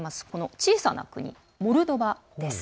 小さな国モルドバです。